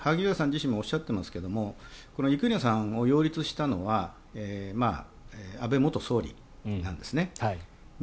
自身もおっしゃっていますけれど生稲さんを擁立したのは安倍元総理なんですね。